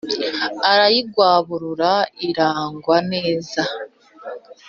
arayigwaburura iragwa neza .